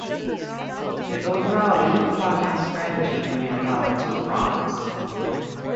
The overall leapfrogging strategy would involve two prongs.